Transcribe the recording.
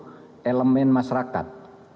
pemerintah dan seluruh elemen masyarakat